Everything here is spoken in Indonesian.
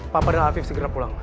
papa den puisquira pulang